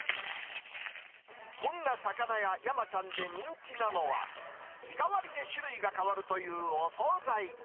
そんな魚屋山ちゃんで人気なのは、日替わりで種類が変わるというお総菜。